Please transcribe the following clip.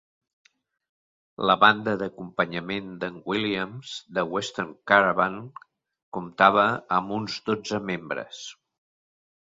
La banda d'acompanyament d'en Williams, The Western Caravan, comptava amb uns dotze membres.